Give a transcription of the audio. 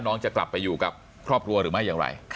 น้องจะกลับไปอยู่กับครอบครัวหรือไม่ยังไง